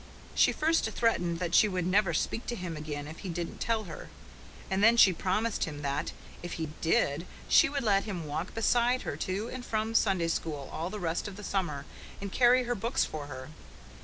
She first threatened that she would never speak to him again if he didn't tell her; and then she promised him that, if he did, she would let him walk beside her to and from Sunday School all the rest of the summer, and carry her books for her.